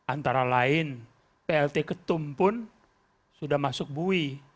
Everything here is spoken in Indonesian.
antara lain plt ketum pun sudah masuk bui